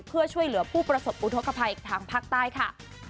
เพื่อช่วยเหลือผู้ประสบอุทธกภัยทางภาคใต้ค่ะ